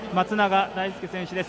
松永大介選手です。